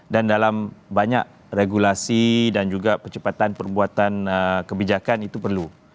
dan dalam banyak regulasi dan juga percepatan perbuatan kebijakan itu perlu